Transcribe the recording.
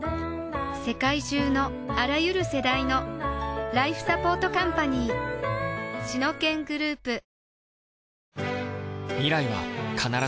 世界中のあらゆる世代のライフサポートカンパニーシノケングループ